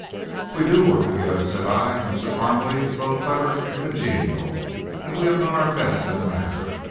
"We do work together," said I. "Mr. Parmalee is both clever and congenial, and we have done our best in the matter.